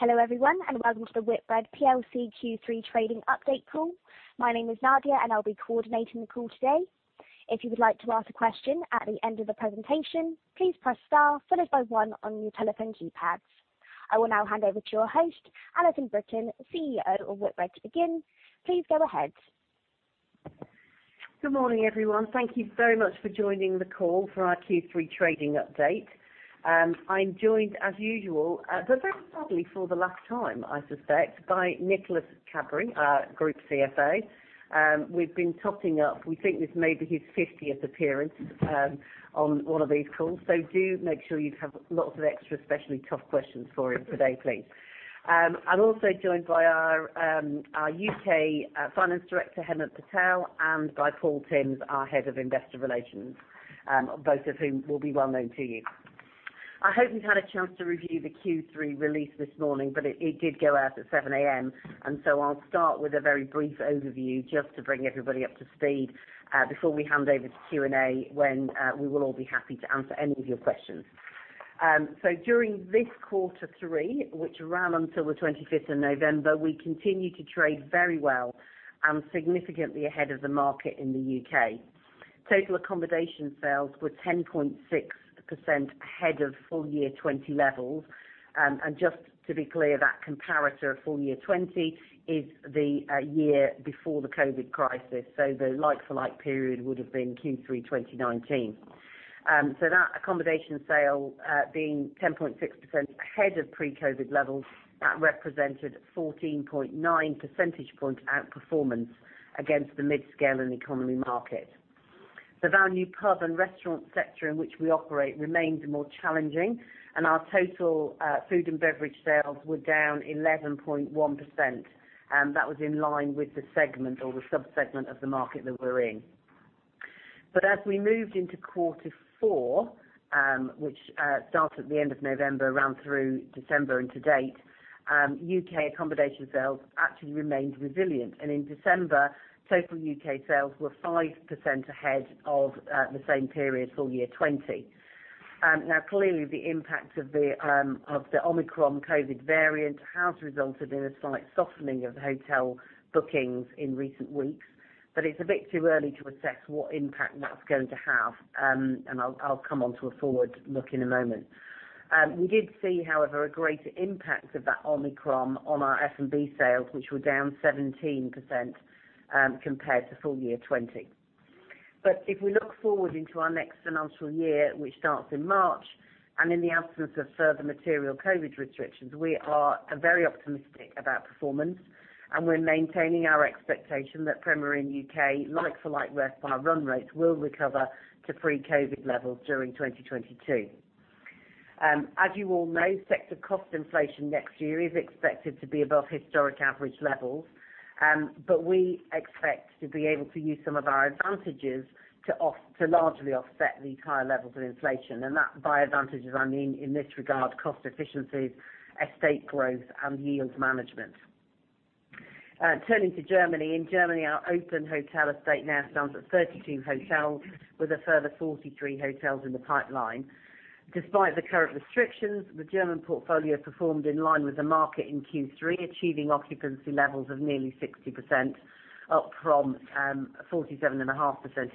Hello, everyone, and welcome to the Whitbread PLC Q3 Trading Update Call. My name is Nadia, and I'll be coordinating the call today. If you would like to ask a question at the end of the presentation, please press star followed by one on your telephone keypads. I will now hand over to your host, Alison Brittain, CEO of Whitbread, to begin. Please go ahead. Good morning, everyone. Thank you very much for joining the call for our Q3 Trading Update. I'm joined as usual, but very probably for the last time, I suspect, by Nicholas Cadbury, our Group CFO. We've been totting up. We think this may be his fiftieth appearance, on one of these calls. Do make sure you have lots of extra specially tough questions for him today, please. I'm also joined by our UK Finance Director, Hemant Patel, and by Paul Tymms, our Head of Investor Relations, both of whom will be well known to you. I hope you've had a chance to review the Q3 release this morning, but it did go out at 7 A.M. I'll start with a very brief overview just to bring everybody up to speed, before we hand over to Q&A, when we will all be happy to answer any of your questions. During this quarter three, which ran until the 25th of November, we continued to trade very well and significantly ahead of the market in the U.K. Total accommodation sales were 10.6% ahead of full year 2020 levels. Just to be clear, that comparator full year 2020 is the year before the COVID crisis. The like-for-like period would have been Q3 2019. That accommodation sale, being 10.6% ahead of pre-COVID levels, that represented 14.9 percentage point outperformance against the mid-scale and economy market. The value pub and restaurant sector in which we operate remains more challenging, and our total food and beverage sales were down 11.1%. That was in line with the segment or the sub-segment of the market that we're in. As we moved into quarter four, which starts at the end of November, ran through December and to date, U.K. accommodation sales actually remained resilient. In December, total U.K. sales were 5% ahead of the same period full year 2020. Now, clearly, the impact of the Omicron COVID variant has resulted in a slight softening of hotel bookings in recent weeks, but it's a bit too early to assess what impact that's going to have. I'll come onto a forward look in a moment. We did see, however, a greater impact of that Omicron on our F&B sales, which were down 17%, compared to full year 2020. If we look forward into our next financial year, which starts in March, and in the absence of further material COVID restrictions, we are very optimistic about performance, and we're maintaining our expectation that Premier Inn UK like-for-like RevPAR run rates will recover to pre-COVID levels during 2022. As you all know, sector cost inflation next year is expected to be above historic average levels. We expect to be able to use some of our advantages to largely offset the higher levels of inflation. That, by advantages, I mean, in this regard, cost efficiencies, estate growth, and yields management. Turning to Germany. In Germany, our open hotel estate now stands at 32 hotels with a further 43 hotels in the pipeline. Despite the current restrictions, the German portfolio performed in line with the market in Q3, achieving occupancy levels of nearly 60%, up from 47.5%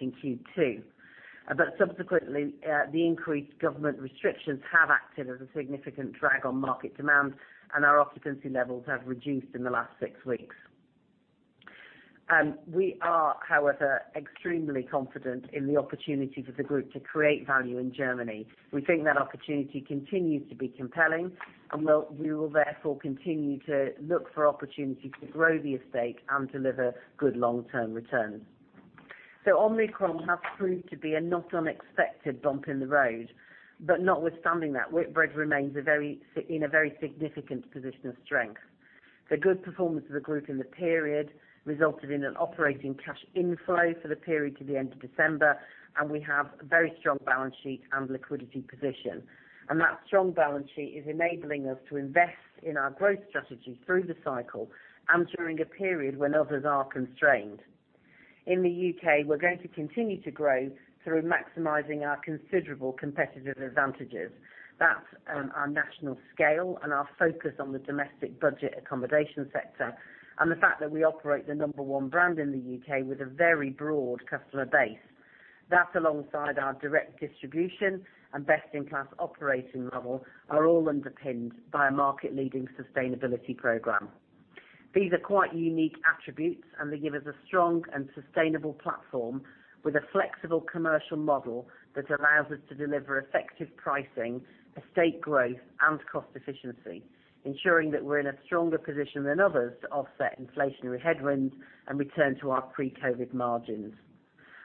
in Q2. Subsequently, the increased government restrictions have acted as a significant drag on market demand, and our occupancy levels have reduced in the last six weeks. We are, however, extremely confident in the opportunity for the Group to create value in Germany. We think that opportunity continues to be compelling and we will therefore continue to look for opportunities to grow the estate and deliver good long-term returns. Omicron has proved to be a not unexpected bump in the road, but notwithstanding that, Whitbread remains in a very significant position of strength. The good performance of the Group in the period resulted in an operating cash inflow for the period to the end of December, and we have a very strong balance sheet and liquidity position. That strong balance sheet is enabling us to invest in our growth strategy through the cycle and during a period when others are constrained. In the U.K., we're going to continue to grow through maximizing our considerable competitive advantages. That's our national scale and our focus on the domestic budget accommodation sector and the fact that we operate the number one brand in the U.K. with a very broad customer base. That alongside our direct distribution and best-in-class operating level are all underpinned by a market-leading sustainability program. These are quite unique attributes, and they give us a strong and sustainable platform with a flexible commercial model that allows us to deliver effective pricing, estate growth, and cost efficiency, ensuring that we're in a stronger position than others to offset inflationary headwinds and return to our pre-COVID margins.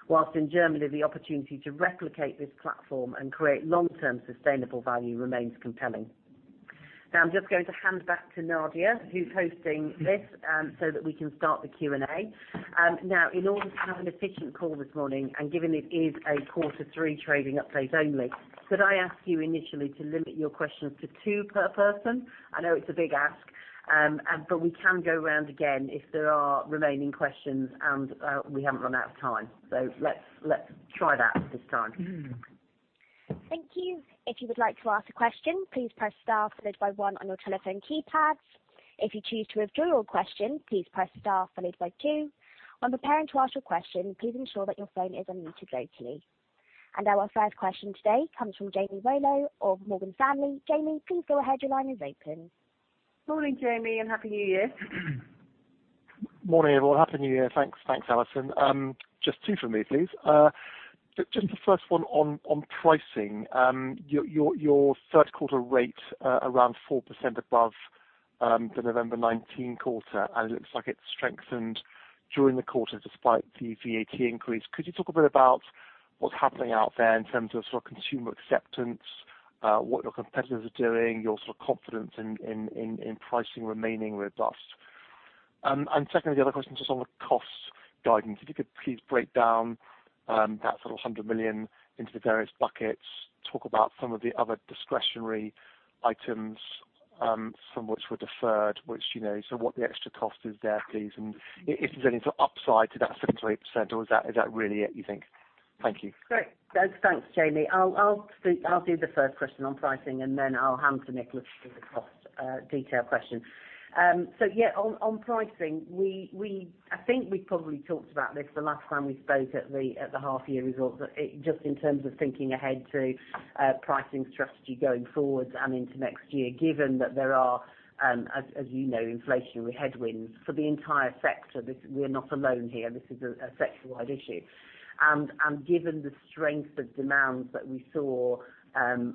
Whilst in Germany, the opportunity to replicate this platform and create long-term sustainable value remains compelling. Now I'm just going to hand back to Nadia, who's hosting this, so that we can start the Q&A. Now in order to have an efficient call this morning, and given it is a quarter three trading update only, could I ask you initially to limit your questions to two per person? I know it's a big ask, and but we can go around again if there are remaining questions, and we haven't run out of time. Let's try that this time. Thank you. If you would like to ask a question, please press star followed by one on your telephone keypads. If you choose to withdraw your question, please press star followed by two. When preparing to ask your question, please ensure that your phone is unmuted locally. Our first question today comes from Jamie Rollo of Morgan Stanley. Jamie, please go ahead. Your line is open. Morning, Jamie, and Happy New Year. Morning, everyone. Happy New Year. Thanks, Alison. Just two from me, please. Just the first one on pricing. Your third quarter rate around 4% above the November 2019 quarter, and it looks like it's strengthened during the quarter despite the VAT increase. Could you talk a bit about what's happening out there in terms of sort of consumer acceptance, what your competitors are doing, your sort of confidence in pricing remaining robust? And secondly, the other question is just on the costs guidance. If you could please break down that sort of 100 million into the various buckets, talk about some of the other discretionary items, some which were deferred, which, you know, so what the extra cost is there, please, and is there any sort of upside to that 7%-8% or is that really it, you think? Thank you. Great. Thanks, Jamie. I'll do the first question on pricing, and then I'll hand to Nicholas for the cost detail question. So yeah, on pricing, I think we probably talked about this the last time we spoke at the half year results, but just in terms of thinking ahead to pricing strategy going forward and into next year, given that there are, as you know, inflationary headwinds for the entire sector, this, we're not alone here. This is a sector-wide issue. Given the strength of demands that we saw,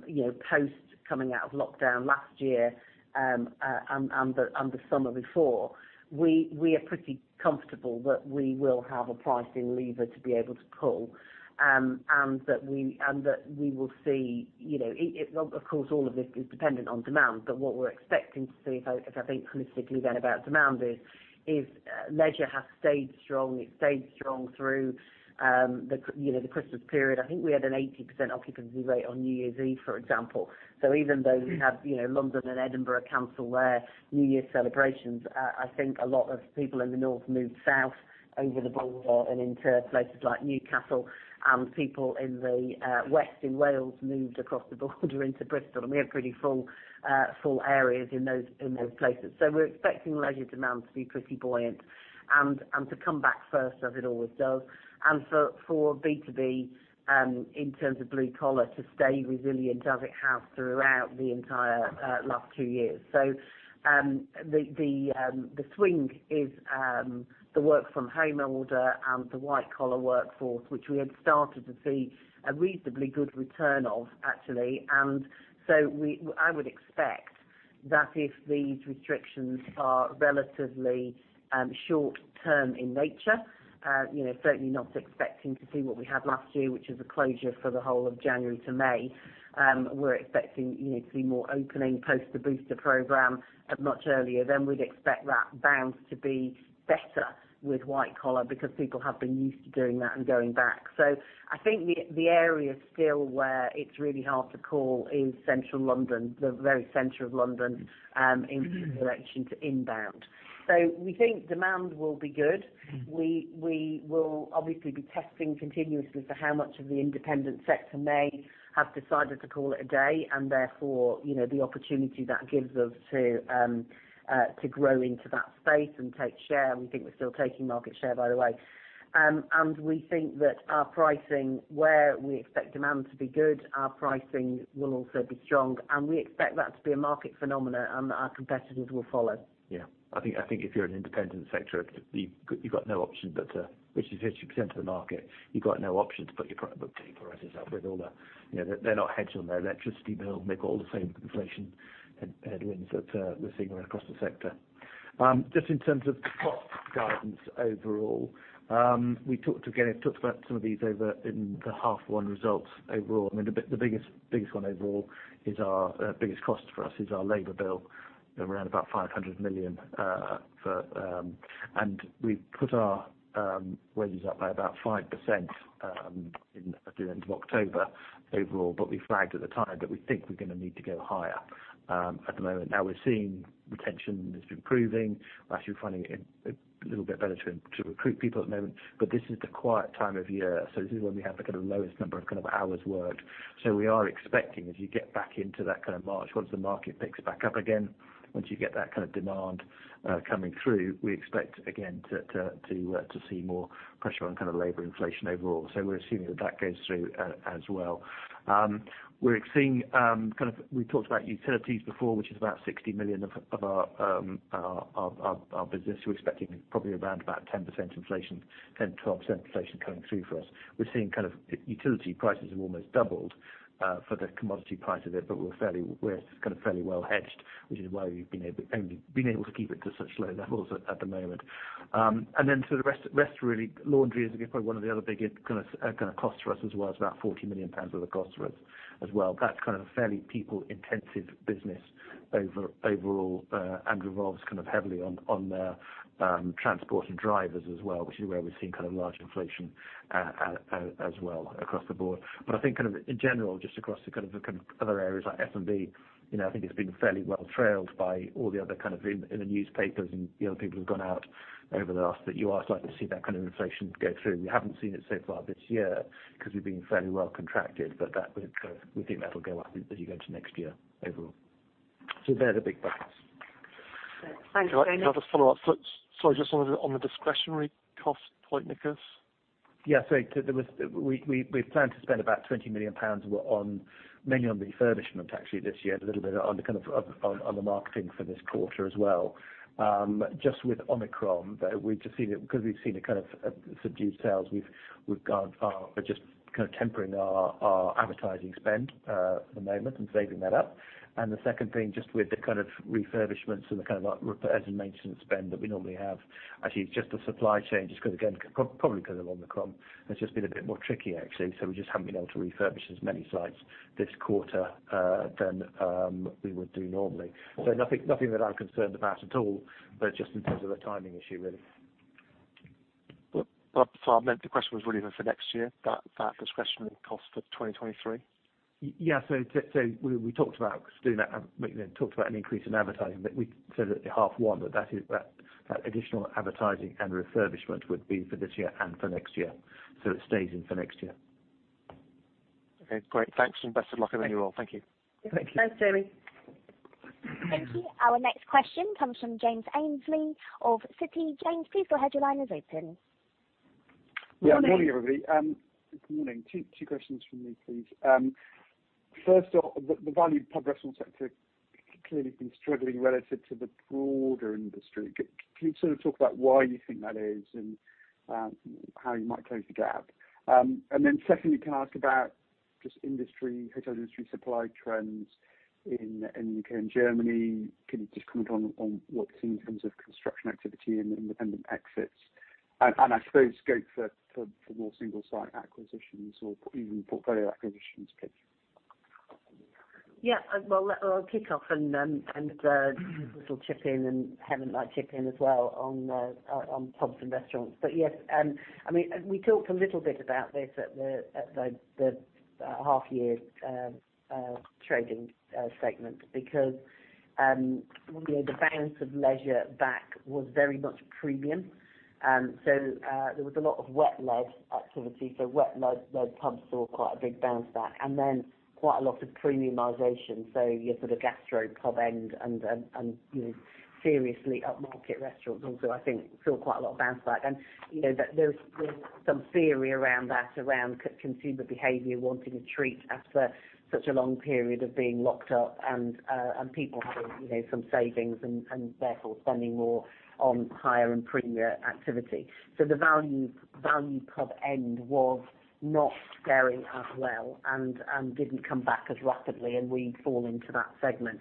you know, post coming out of lockdown last year, and the summer before, we are pretty comfortable that we will have a pricing lever to be able to pull, and that we will see, you know. Well, of course, all of this is dependent on demand, but what we're expecting to see if I think holistically then about demand is leisure has stayed strong. It stayed strong through the Christmas period. I think we had an 80% occupancy rate on New Year's Eve, for example. Even though we have, you know, London and Edinburgh cancel their New Year's celebrations, I think a lot of people in the North moved South over the border and into places like Newcastle, and people in the West in Wales moved across the border into Bristol, and we had pretty full areas in those places. We're expecting leisure demand to be pretty buoyant and to come back first as it always does. For B2B, in terms of blue collar to stay resilient as it has throughout the entire last two years. The swing is the work from home order and the white collar workforce, which we had started to see a reasonably good return of actually. I would expect that if these restrictions are relatively short-term in nature, you know, certainly not expecting to see what we had last year, which is a closure for the whole of January to May, we're expecting, you know, to see more opening post the booster program of much earlier than we'd expect that bounce to be better with white collar because people have been used to doing that and going back. I think the area still where it's really hard to call is Central London, the very center of London, in terms of direction to inbound. We think demand will be good. We will obviously be testing continuously for how much of the independent sector may have decided to call it a day, and therefore, the opportunity that gives us to grow into that space and take share. We think we're still taking market share, by the way. We think that our pricing, where we expect demand to be good, our pricing will also be strong. We expect that to be a market phenomenon and our competitors will follow. Yeah. I think if you're in the independent sector, which is 50% of the market, you've got no option but to put your prices up with all the, they're not hedged on their electricity bill. They've got all the same inflation headwinds that we're seeing across the sector. Just in terms of the cost guidance overall, we talked about some of these over in the half one results overall. I mean, the biggest one overall is our biggest cost for us is our labor bill around 500 million. We've put our wages up by about 5% in at the end of October overall, but we flagged at the time that we think we're gonna need to go higher at the moment. Now we're seeing retention has been improving. We're actually finding it a little bit better to recruit people at the moment, but this is the quiet time of year, so this is when we have the kind of lowest number of kind of hours worked. We are expecting as you get back into that kind of March, once the market picks back up again, once you get that kind of demand coming through, we expect again to see more pressure on kind of labor inflation overall. We're assuming that goes through as well. We're seeing, kind of, we talked about utilities before, which is about 60 million of our business. We're expecting probably around about 10% inflation, 10%-12% inflation coming through for us. We're seeing kind of utility prices have almost doubled for the commodity part of it, but we're kind of fairly well hedged, which is why we've only been able to keep it to such low levels at the moment. The rest really, laundry is again probably one of the other big kind of costs for us as well. It's about 40 million pounds of the cost for us as well. That's kind of a fairly people-intensive business overall and revolves kind of heavily on the transport and drivers as well, which is where we're seeing kind of large inflation as well across the board. I think kind of in general, just across the kind of other areas like F&B, you know, I think it's been fairly well trailed by all the other kind of, in the newspapers and, you know, people who've gone out over the last, that you are starting to see that kind of inflation go through. We haven't seen it so far this year because we've been fairly well contracted, but that will go, we think that'll go up as you go into next year overall. They're the big buckets. Can I just follow up? Sorry, just on the discretionary cost point, Nicholas. We planned to spend about 20 million pounds mainly on refurbishment actually this year, a little bit on kind of the marketing for this quarter as well. Just with Omicron, though, because we've seen a kind of subdued sales, we've gone just kind of tempering our advertising spend for the moment and saving that up. The second thing, just with the kind of refurbishments and the kind of maintenance spend that we normally have, actually it's just the supply chain, just because, again, probably because of Omicron, it's just been a bit more tricky, actually. We just haven't been able to refurbish as many sites this quarter as we would do normally. Nothing that I'm concerned about at all, but just in terms of a timing issue, really. I meant the question was really for next year, that discretionary cost for 2023. Yes, so we talked about doing that, we talked about an increase in advertising, but we said at the H1 that additional advertising and refurbishment would be for this year and for next year. It stays in for next year. Okay, great. Thanks and best of luck with you all. Thank you. Thank you. Thanks, Jamie. Thank you. Our next question comes from James Ainley of Citi. James, please go ahead. Your line is open. Good morning. Yeah, good morning, everybody. Good morning. Two questions from me, please. First off, the Value Pub restaurants sector clearly been struggling relative to the broader industry. Can you sort of talk about why you think that is and how you might close the gap? Secondly, can I ask about the hotel industry supply trends in U.K. and Germany? Can you just comment on what you see in terms of construction activity and independent exits? I suppose scope for more single site acquisitions or even portfolio acquisitions, please. Yeah. Well, I'll kick off and Little, chip in and Hemant Patel might chip in as well on pubs and restaurants. Yes, I mean, we talked a little bit about this at the half year trading segment because you know, the bounce of leisure back was very much premium. There was a lot of wet led activity, so wet led pubs saw quite a big bounce back, and then quite a lot of premiumization. Your sort of gastro pub end and you know, seriously upmarket restaurants also, I think, saw quite a lot of bounce back. You know, there's some theory around that, around consumer behavior wanting a treat after such a long period of being locked up and people having, you know, some savings and therefore spending more on higher-end Premier activity. The value pub end was not doing as well and didn't come back as rapidly and we fall into that segment.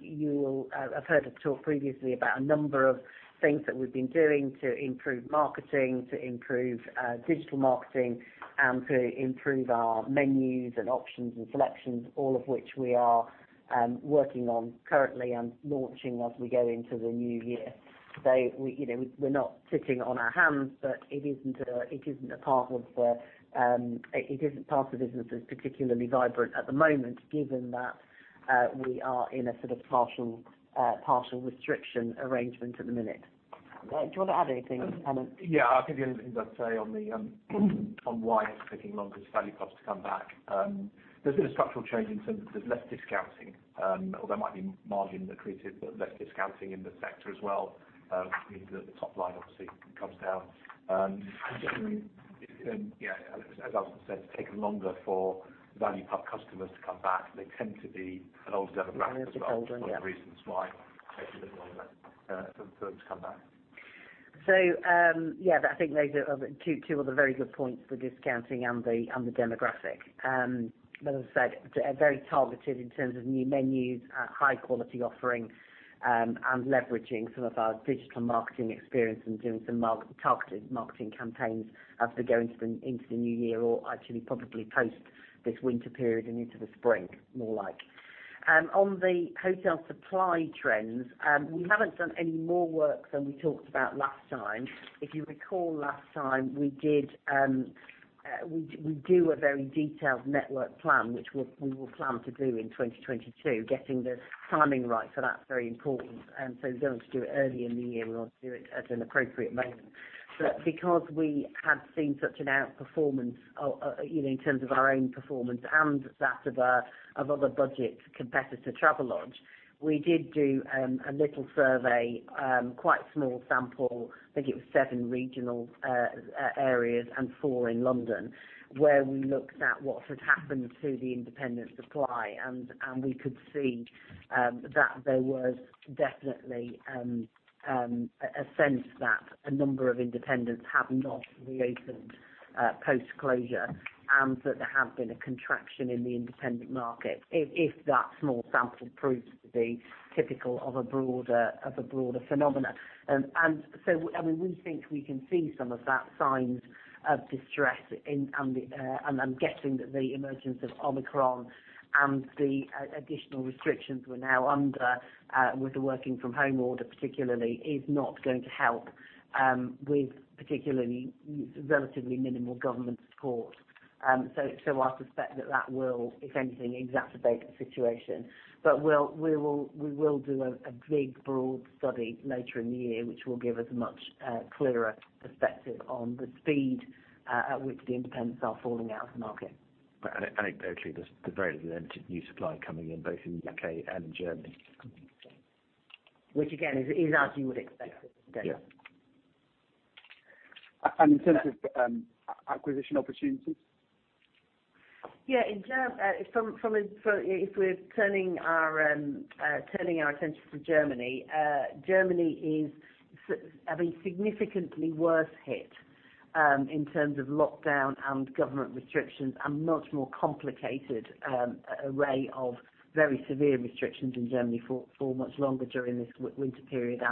You'll have heard us talk previously about a number of things that we've been doing to improve marketing, to improve digital marketing and to improve our menus and options and selections, all of which we are working on currently and launching as we go into the new year. We, you know, we're not sitting on our hands, but it isn't part of the business that's particularly vibrant at the moment, given that we are in a sort of partial restriction arrangement at the minute. Do you want to add anything, Hemant? Yeah. I'll give you only things I'd say on why it's taking longer for value guests to come back. There's been a structural change in terms of there's less discounting, although there might be margin accretive, but less discounting in the sector as well, means that the top line obviously comes down. Yeah, as Alison said, it's taken longer for value pub customers to come back. They tend to be an older demographic as well. Tends to be older, yeah. one of the reasons why it's taking longer for them to come back. Yeah, but I think those are two other very good points, the discounting and the demographic. As I said, very targeted in terms of new menus, high quality offering, and leveraging some of our digital marketing experience and doing some market-targeted marketing campaigns as we go into the new year or actually probably post this winter period and into the spring, more like. On the hotel supply trends, we haven't done any more work than we talked about last time. If you recall, last time we do a very detailed network plan which we will plan to do in 2022. Getting the timing right for that is very important. We don't want to do it early in the year. We want to do it at an appropriate moment. Because we have seen such an outperformance, you know, in terms of our own performance and that of other budget competitor, Travelodge, we did do a little survey, quite small sample, I think it was seven regional areas and four in London, where we looked at what had happened to the independent supply. We could see that there was definitely a sense that a number of independents have not reopened post-closure, and that there have been a contraction in the independent market, if that small sample proves to be typical of a broader phenomena. I mean, we think we can see some of those signs of distress, and I'm guessing that the emergence of Omicron and the additional restrictions we're now under with the work from home order particularly is not going to help with particularly relatively minimal government support. I suspect that will, if anything, exacerbate the situation. We will do a big broad study later in the year, which will give us a much clearer perspective on the speed at which the independents are falling out of the market. Anecdotally, there's very little new supply coming in both in the U.K. and in Germany. Which again is as you would expect it. Yeah. In terms of acquisition opportunities? For, if we're turning our attention to Germany is, I mean, significantly worse hit in terms of lockdown and government restrictions, and much more complicated array of very severe restrictions in Germany for much longer during this winter period.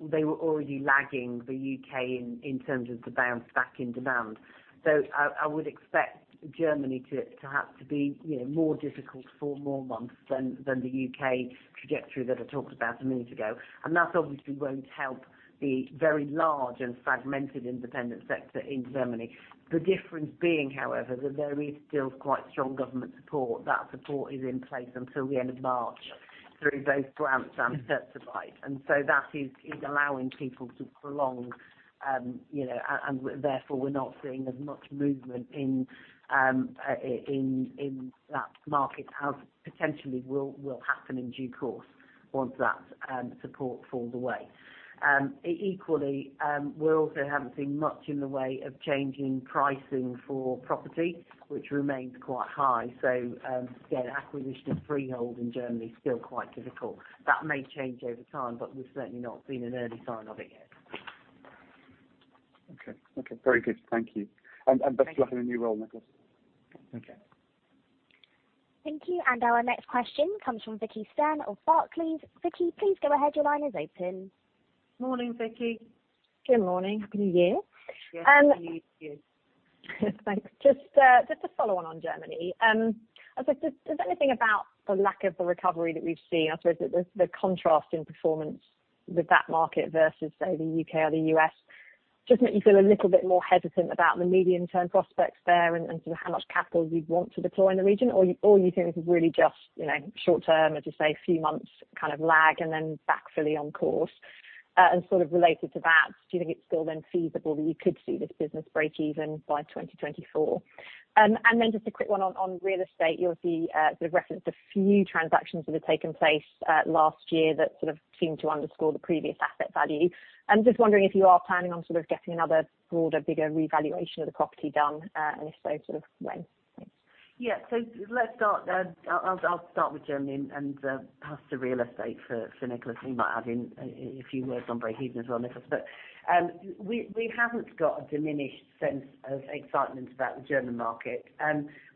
They were already lagging the U.K. in terms of the bounce back in demand. I would expect Germany to have to be, you know, more difficult for more months than the U.K. trajectory that I talked about a minute ago. That obviously won't help the very large and fragmented independent sector in Germany. The difference being, however, that there is still quite strong government support. That support is in place until the end of March through both grants and Kurzarbeit. That is allowing people to prolong, you know, and therefore we're not seeing as much movement in that market as potentially will happen in due course once that support falls away. Equally, we also haven't seen much in the way of changing pricing for property, which remains quite high. Again, acquisition of freehold in Germany is still quite difficult. That may change over time, but we've certainly not seen an early sign of it yet. Okay. Okay, very good. Thank you. Thank you. Best of luck in your new role, Nicholas. Thank you. Thank you. Our next question comes from Vicki Stern of Barclays. Vicki, please go ahead. Your line is open. Morning, Vicki. Good morning. Happy New Year. Yes, to you, too. Thanks. Just to follow on Germany. I was like, does anything about the lack of the recovery that we've seen, I suppose the contrast in performance with that market versus, say, the U.K. or the U.S., just make you feel a little bit more hesitant about the medium-term prospects there and sort of how much capital you'd want to deploy in the region? Or you think this is really just, you know, short term, as you say, a few months kind of lag and then back fully on course. Sort of related to that, do you think it's still then feasible that you could see this business break even by 2024? Just a quick one on real estate. You'll see, sort of reference to few transactions that have taken place, last year that sort of seemed to underscore the previous asset value. I'm just wondering if you are planning on sort of getting another broader, bigger revaluation of the property done, and if so, sort of when? Thanks. Yeah. Let's start. I'll start with Germany and pass to real estate for Nicholas. He might add in a few words on breakeven as well, Nicholas. We haven't got a diminished sense of excitement about the German market.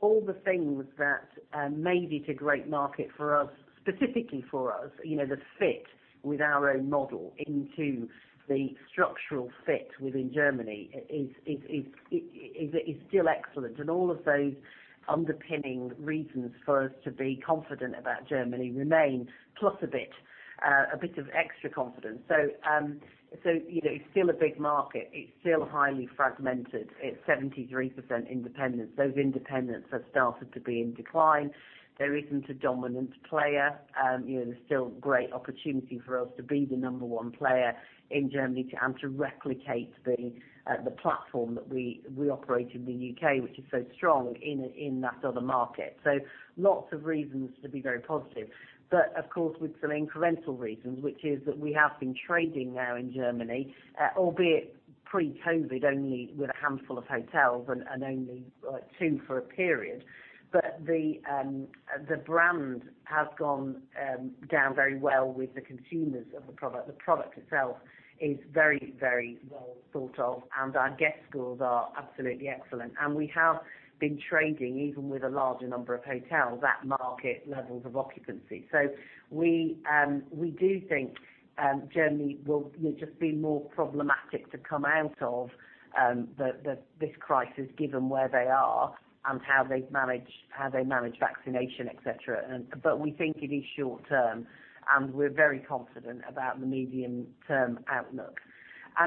All the things that made it a great market for us, specifically for us, you know, the fit with our own model into the structural fit within Germany is still excellent. All of those underpinning reasons for us to be confident about Germany remain, plus a bit of extra confidence. You know, it's still a big market. It's still highly fragmented. It's 73% independent. Those independents have started to be in decline. There isn't a dominant player. You know, there's still great opportunity for us to be the number one player in Germany and to replicate the platform that we operate in the U.K., which is so strong in that other market. Lots of reasons to be very positive. Of course, with some incremental reasons, which is that we have been trading now in Germany, albeit pre-COVID only with a handful of hotels and only 2 for a period. The brand has gone down very well with the consumers of the product. The product itself is very, very well thought of, and our guest scores are absolutely excellent. We have been trading, even with a larger number of hotels, at market levels of occupancy. We do think Germany will, you know, just be more problematic to come out of this crisis, given where they are and how they've managed, how they manage vaccination, et cetera. But we think it is short term, and we're very confident about the medium-term outlook.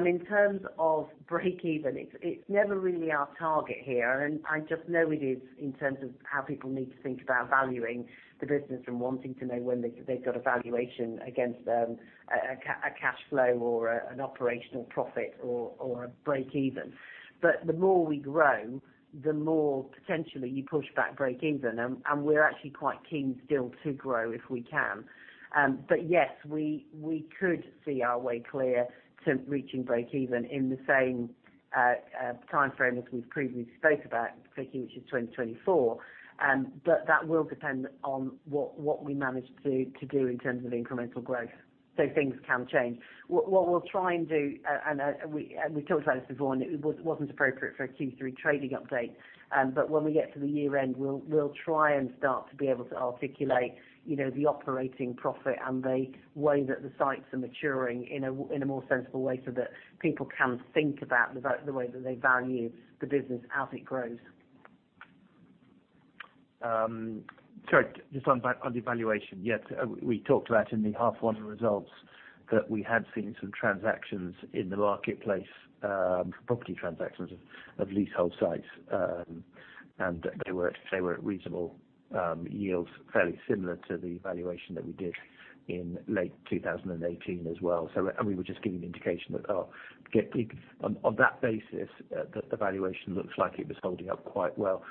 In terms of breakeven, it's never really our target here. I just know it is in terms of how people need to think about valuing the business and wanting to know when they've got a valuation against a cashflow or an operational profit or a breakeven. The more we grow, the more potentially you push back breakeven. We're actually quite keen still to grow, if we can. Yes, we could see our way clear to reaching breakeven in the same timeframe as we've previously spoke about, Vicki, which is 2024. That will depend on what we manage to do in terms of incremental growth. Things can change. What we'll try and do, and we've talked about this before, and it wasn't appropriate for a Q3 trading update. When we get to the year end, we'll try and start to be able to articulate, you know, the operating profit and the way that the sites are maturing in a more sensible way, so that people can think about the way that they value the business as it grows. Sorry, just back on the valuation. Yes, we talked about in the half one results that we had seen some transactions in the marketplace, property transactions of leasehold sites. They were at reasonable yields, fairly similar to the valuation that we did in late 2018 as well. We were just giving an indication that on that basis, the valuation looks like it was holding up quite well.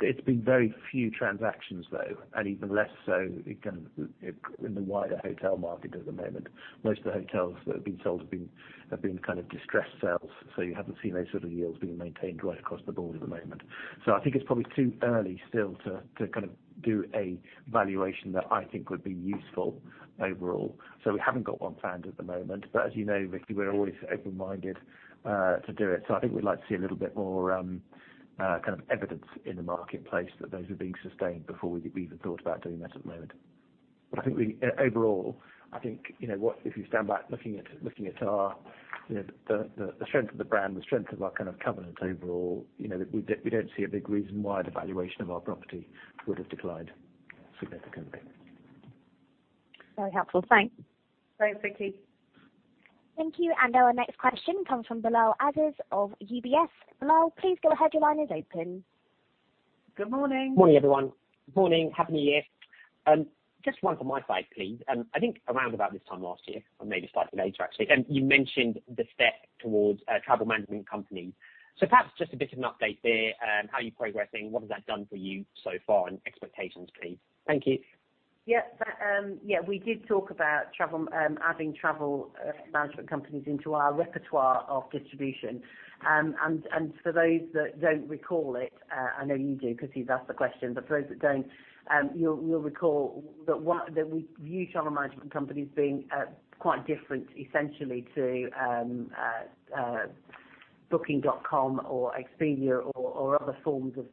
There's been very few transactions though, and even less so, again, in the wider hotel market at the moment. Most of the hotels that have been sold have been kind of distressed sales, so you haven't seen those sort of yields being maintained right across the board at the moment. I think it's probably too early still to kind of do a valuation that I think would be useful overall. We haven't got one planned at the moment. As you know, Vicki, we're always open-minded to do it. I think we'd like to see a little bit more kind of evidence in the marketplace that those are being sustained before we even thought about doing that at the moment. I think we overall, I think, you know, what, if you stand back looking at our, you know, the strength of the brand, the strength of our kind of covenants overall, you know, we don't see a big reason why the valuation of our property would have declined significantly. Very helpful. Thanks. Thanks, Vicki. Thank you. Our next question comes from Bilal Aziz of UBS. Bilal, please go ahead. Your line is open. Good morning. Morning, everyone. Happy New Year. Just one from my side, please. I think around about this time last year, or maybe slightly later actually, and you mentioned the step towards travel management companies. Perhaps just a bit of an update there. How are you progressing? What has that done for you so far? And expectations, please. Thank you. Yeah. We did talk about travel, adding travel management companies into our repertoire of distribution. For those that don't recall it, I know you do 'cause you've asked the question, but for those that don't, you'll recall that we view travel management companies being quite different essentially to booking.com or Expedia or other forms of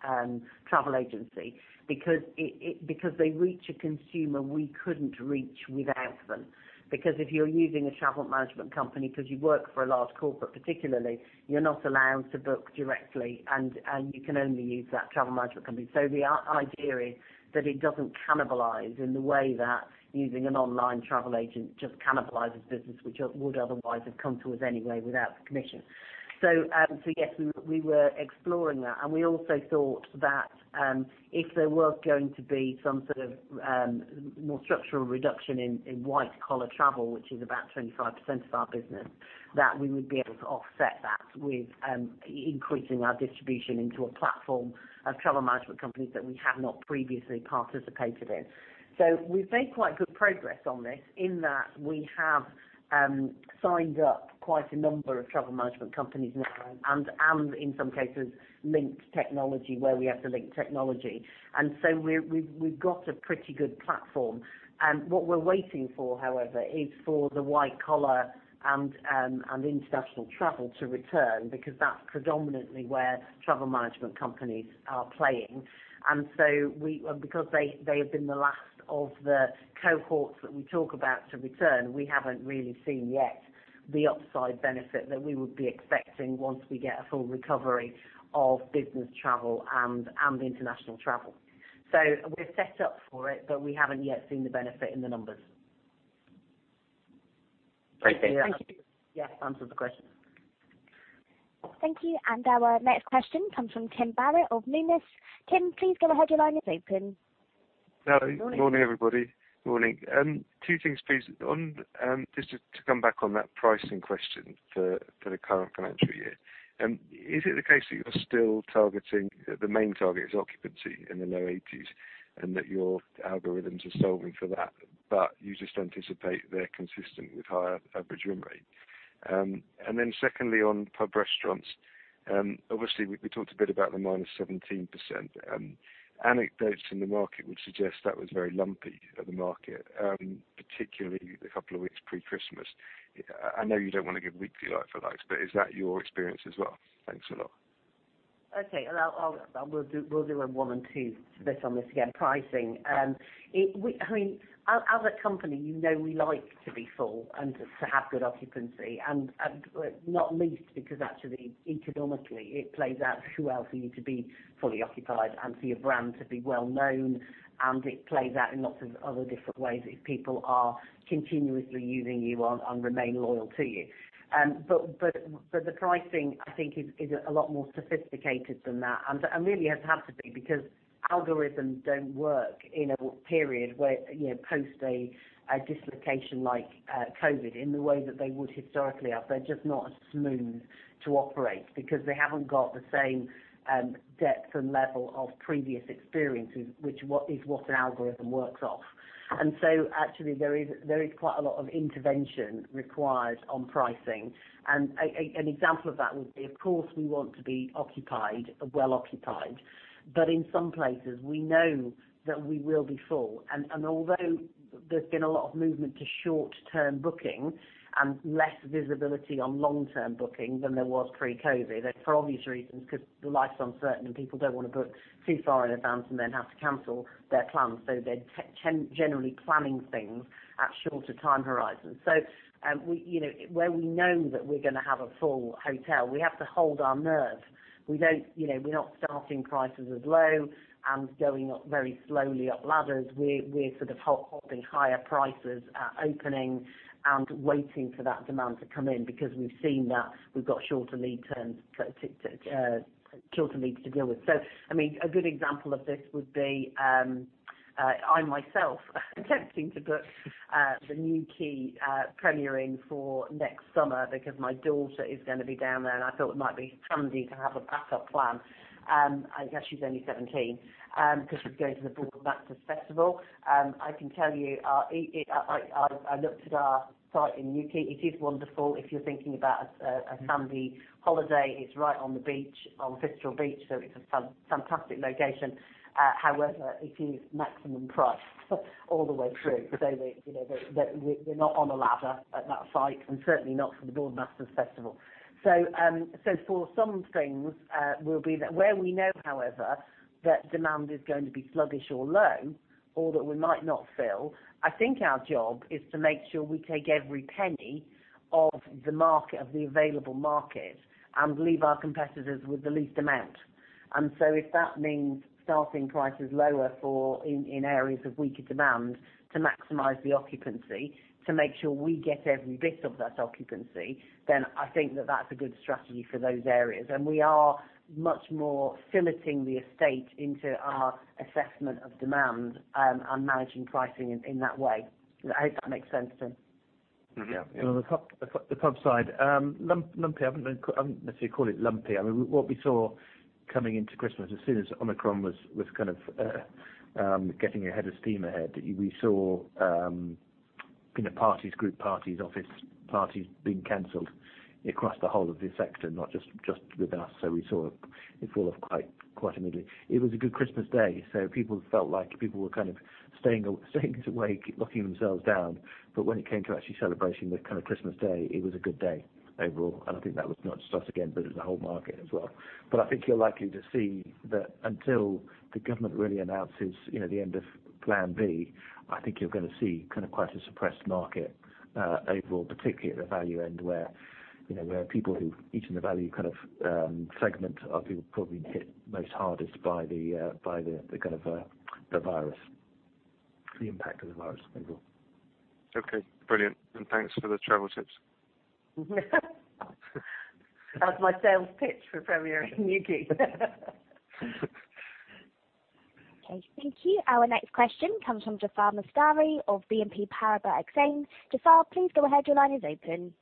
commission-based travel agency because they reach a consumer we couldn't reach without them. Because if you're using a travel management company 'cause you work for a large corporate particularly, you're not allowed to book directly, and you can only use that travel management company. The idea is that it doesn't cannibalize in the way that using an online travel agent just cannibalizes business which would otherwise have come to us anyway without the commission. Yes, we were exploring that. We also thought that if there were going to be some sort of more structural reduction in white collar travel, which is about 25% of our business, that we would be able to offset that with increasing our distribution into a platform of travel management companies that we have not previously participated in. We've made quite good progress on this in that we have signed up quite a number of travel management companies now and in some cases linked technology where we have to link technology. We've got a pretty good platform. What we're waiting for, however, is for the white collar and international travel to return because that's predominantly where travel management companies are playing. Because they have been the last of the cohorts that we talk about to return, we haven't really seen yet the upside benefit that we would be expecting once we get a full recovery of business travel and international travel. We're set up for it, but we haven't yet seen the benefit in the numbers. Great. Thank you. Yeah. Answers the question. Thank you. Our next question comes from Tim Barrett of Numis. Tim, please go ahead. Your line is open. Morning, everybody. Two things, please. Just to come back on that pricing question for the current financial year. Is it the case that you're still targeting the main target is occupancy in the low 80s and that your algorithms are solving for that, but you just anticipate they're consistent with higher average room rate? And then secondly, on pub restaurants, obviously we talked a bit about the -17%, anecdotes in the market would suggest that was very lumpy at the market, particularly the couple of weeks pre-Christmas. I know you don't want to give weekly out for that, but is that your experience as well? Thanks a lot. Okay. I'll we'll do a one and two bit on this again. Pricing. I mean, as a company, you know we like to be full and to have good occupancy and not least because actually economically, it plays out too well for you to be fully occupied and for your brand to be well known, and it plays out in lots of other different ways if people are continuously using you and remain loyal to you. The pricing I think is a lot more sophisticated than that and really has had to be because algorithms don't work in a period where, you know, post a dislocation like COVID in the way that they would historically have. They're just not as smooth to operate because they haven't got the same depth and level of previous experiences, which is what an algorithm works off. Actually there is quite a lot of intervention required on pricing. An example of that would be, of course we want to be occupied, well occupied, but in some places we know that we will be full. Although there's been a lot of movement to short-term booking and less visibility on long-term booking than there was pre-COVID, for obvious reasons, 'cause life's uncertain and people don't want to book too far in advance and then have to cancel their plans, so they're generally planning things at shorter time horizons. We, you know, where we know that we're gonna have a full hotel, we have to hold our nerve. We don't, you know, we're not starting prices as low and going up very slowly up ladders. We're hoping higher prices at opening and waiting for that demand to come in because we've seen that we've got shorter lead times to deal with. I mean, a good example of this would be I myself attempting to book the Newquay Premier Inn for next summer because my daughter is gonna be down there and I thought it might be handy to have a backup plan. I guess she's only 17 'cause she's going to the Boardmasters Festival. I can tell you I looked at our site in Newquay. It is wonderful if you're thinking about a sandy holiday. It's right on the beach, on Fistral Beach, so it's a fantastic location. However, it is maximum price all the way through. We, you know, we're not on a ladder at that site and certainly not for the Boardmasters Festival. For some things, where we know, however, that demand is going to be sluggish or low or that we might not fill, I think our job is to make sure we take every penny of the market, of the available market and leave our competitors with the least amount. If that means starting prices lower for in areas of weaker demand to maximize the occupancy to make sure we get every bit of that occupancy, then I think that that's a good strategy for those areas. We are much more filleting the estate into our assessment of demand, on managing pricing in that way. I hope that makes sense, Tim. Mm-hmm. Yeah. On the pub side, lumpy, I wouldn't necessarily call it lumpy. I mean, what we saw coming into Christmas as soon as Omicron was kind of getting a head of steam, we saw you know, parties, group parties, office parties being canceled across the whole of the sector, not just with us. We saw it fall off quite immediately. It was a good Christmas Day, so people felt like people were kind of staying out of the way, keeping themselves locked down. When it came to actually celebrating the kind of Christmas Day, it was a good day overall. I think that was not just us again, but it was the whole market as well. I think you're likely to see that until the government really announces, you know, the end of Plan B. I think you're gonna see kind of quite a suppressed market overall, particularly at the value end where, you know, where people who eat in the value kind of segment of people probably hit the hardest by the impact of the virus overall. Okay, brilliant. Thanks for the travel tips. That was my sales pitch for Premier Inn Newquay. Okay, thank you. Our next question comes from Jaafar Mestari of Exane BNP Paribas. Jaffar, please go ahead. Your line is open.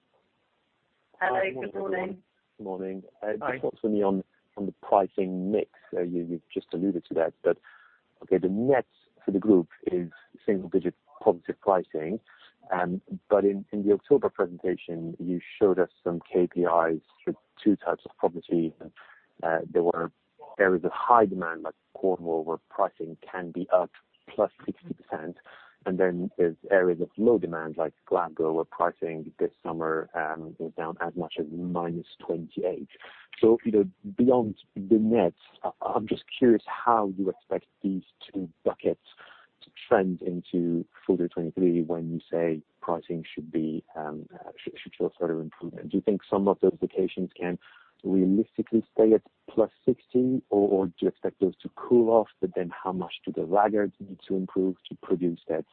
Hello, good morning. Morning, everyone. Morning. Hi. Just possibly on the pricing mix, you've just alluded to that. Okay, the net for the group is single digit positive pricing. In the October presentation, you showed us some KPIs for two types of properties. There were areas of high demand like Cornwall, where pricing can be up +60%. There's areas of low demand like Glasgow, where pricing this summer went down as much as -28%. You know, beyond the net, I'm just curious how you expect these two buckets to trend into full year 2023 when you say pricing should be, should show further improvement. Do you think some of those locations can realistically stay at +60, or do you expect those to cool off? How much do the laggards need to improve to produce that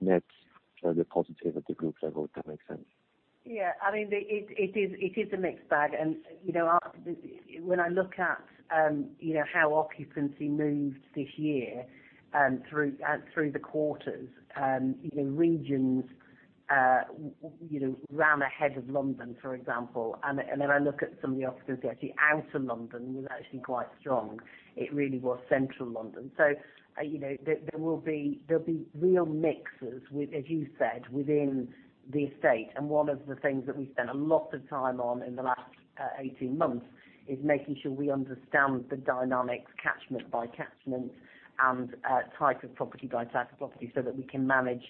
net, the positive at the group level, if that makes sense? Yeah. I mean, it is a mixed bag. You know, when I look at you know, how occupancy moved this year through the quarters, you know, regions you know, ran ahead of London, for example. Then I look at some of the occupancy, actually, outer London was actually quite strong. It really was central London. You know, there will be real mixes with, as you said, within the estate. One of the things that we've spent a lot of time on in the last 18 months is making sure we understand the dynamics catchment by catchment and type of property by type of property so that we can manage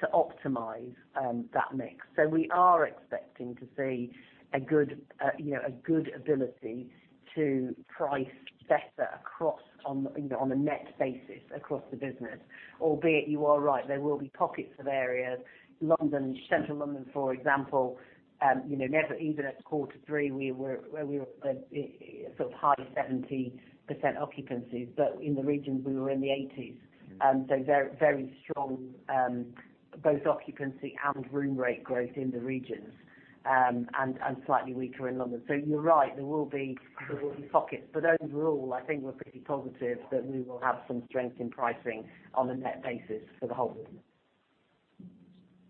to optimize that mix. We are expecting to see a good, you know, a good ability to price better across on, you know, on a net basis across the business. Albeit you are right, there will be pockets of areas. London, Central London, for example, you know, never even at quarter three, we were sort of high 70% occupancy. But in the regions, we were in the 80s. Very strong both occupancy and room rate growth in the regions, and slightly weaker in London. You are right, there will be pockets. But overall, I think we are pretty positive that we will have some strength in pricing on a net basis for the whole group.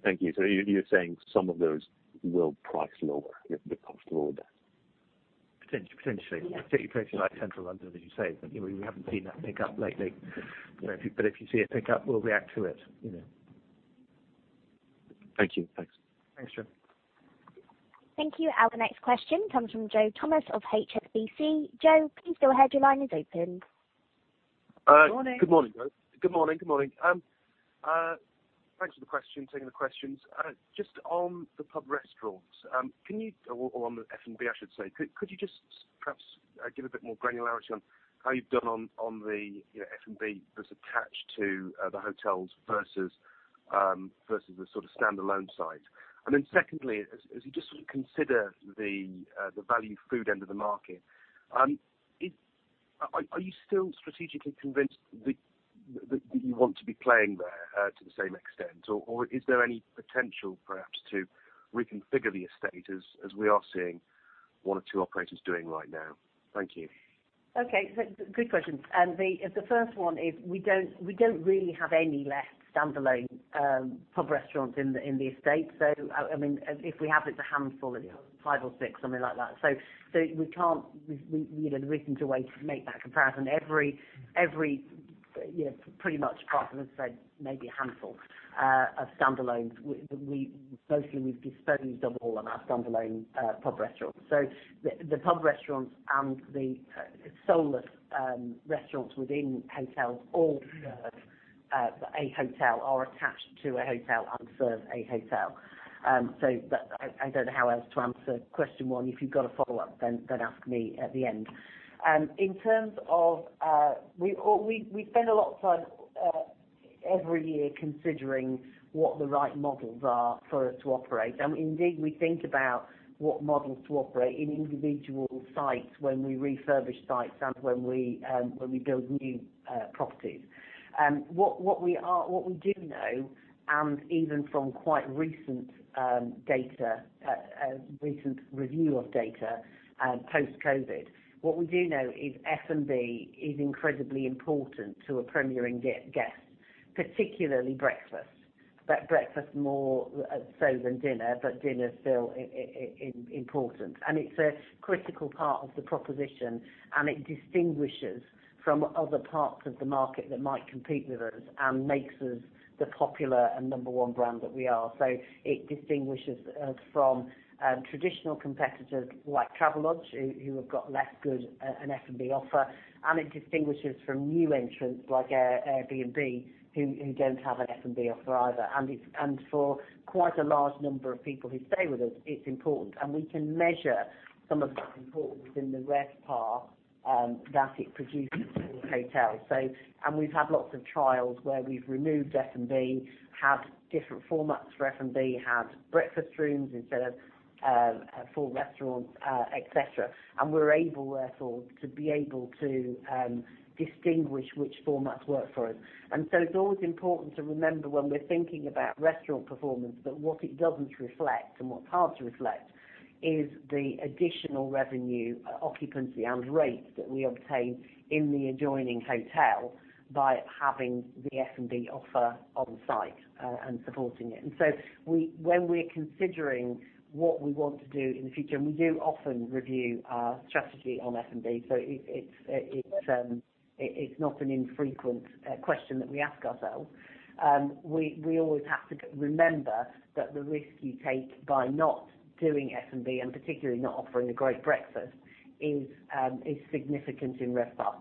Thank you. You're saying some of those will price lower if the cost goes down? Potentially. Yeah. Particularly places like Central London, as you say. You know, we haven't seen that pick up lately. You know, but if you see a pick up, we'll react to it, you know. Thank you. Thanks. Thanks, Jaffar. Thank you. Our next question comes from Joe Thomas of HSBC. Joe, please go ahead. Your line is open. Morning. Good morning. Good morning. Thanks for taking the questions. Just on the F&B, I should say. Could you just perhaps give a bit more granularity on how you've done on the, you know, F&B that's attached to the hotels versus the sort of standalone side? Secondly, as you just sort of consider the value food end of the market, are you still strategically convinced that you want to be playing there to the same extent? Or is there any potential perhaps to reconfigure the estate as we are seeing one or two operators doing right now? Thank you. Okay. Good questions. The first one is we don't really have any left standalone pub restaurants in the estate. I mean, if we have, it's a handful, five or six, something like that. We can't, you know, there's no reason to wait to make that comparison. Every you know, pretty much apart from, as I said, maybe a handful of standalones, we mostly we've disposed of all of our standalone pub restaurants. The pub restaurants and the solus restaurants within hotels all serve a hotel, are attached to a hotel and serve a hotel. But I don't know how else to answer question one. If you've got a follow-up, then ask me at the end. In terms of, we spend a lot of time every year considering what the right models are for us to operate. Indeed, we think about what models to operate in individual sites when we refurbish sites and when we build new properties. What we do know, and even from quite recent data, recent review of data, post-COVID, what we do know is F&B is incredibly important to a Premier Inn guest, particularly breakfast. Breakfast more so than dinner, but dinner is still important. It's a critical part of the proposition, and it distinguishes from other parts of the market that might compete with us and makes us the popular and number one brand that we are. It distinguishes us from traditional competitors like Travelodge, who have got less good an F&B offer, and it distinguishes from new entrants like Airbnb, who don't have an F&B offer either. It's important for quite a large number of people who stay with us. We can measure some of that importance in the RevPAR that it produces for the hotel. We've had lots of trials where we've removed F&B, had different formats for F&B, had breakfast rooms instead of full restaurants, et cetera. We're able, therefore, to distinguish which formats work for us. It's always important to remember when we're thinking about restaurant performance that what it doesn't reflect and what's hard to reflect is the additional revenue, occupancy, and rates that we obtain in the adjoining hotel by having the F&B offer on site, and supporting it. When we're considering what we want to do in the future, and we do often review our strategy on F&B, it's not an infrequent question that we ask ourselves. We always have to remember that the risk you take by not doing F&B, and particularly not offering a great breakfast, is significant in RevPAR.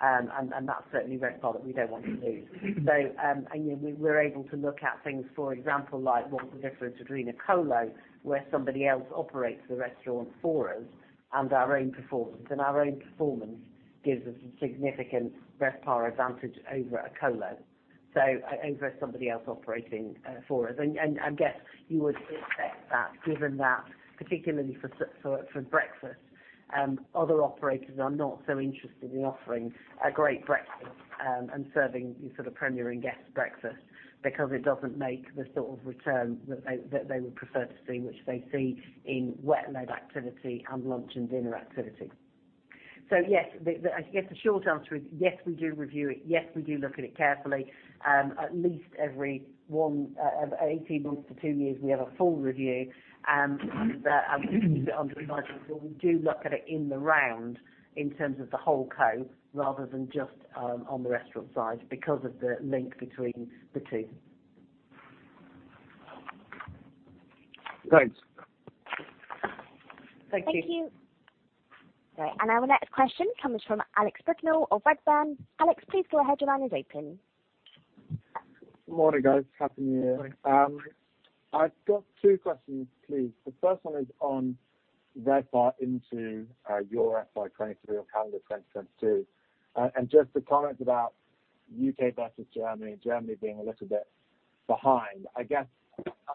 That's certainly RevPAR that we don't want to lose. We're able to look at things, for example, like what's the difference between a COLO where somebody else operates the restaurant for us and our own performance. Our own performance gives us a significant RevPAR advantage over a COLO, over somebody else operating for us. I guess you would expect that, given that particularly for breakfast, other operators are not so interested in offering a great breakfast and serving sort of Premier Inn guests breakfast because it doesn't make the sort of return that they would prefer to see, which they see in wet-led activity and lunch and dinner activity. Yes, I guess the short answer is yes, we do review it. Yes, we do look at it carefully. At least every 18 months to two years, we have a full review, and we do look at it in the round in terms of the whole P&L rather than just on the restaurant side because of the link between the two. Thanks. Thank you. Thank you. Right. Our next question comes from Alex Brignall of Redburn. Alex, please go ahead. Your line is open. Good morning, guys. Happy New Year. I've got two questions, please. The first one is on RevPAR into your FY 2023 or calendar 2022. Just the comment about U.K. versus Germany being a little bit behind. I guess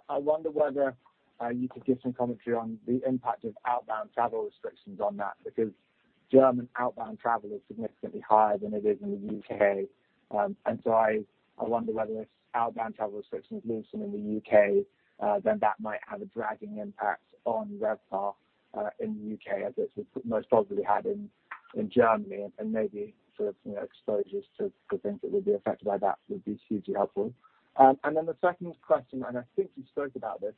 I wonder whether you could give some commentary on the impact of outbound travel restrictions on that because German outbound travel is significantly higher than it is in the U.K. I wonder whether if outbound travel restrictions loosen in the U.K., then that might have a dragging impact on RevPAR in the U.K. as it most probably had in Germany and maybe sort of, you know, exposures to things that would be affected by that would be hugely helpful. The second question, and I think you spoke about this,